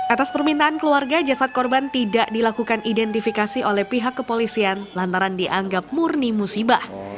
atas permintaan keluarga jasad korban tidak dilakukan identifikasi oleh pihak kepolisian lantaran dianggap murni musibah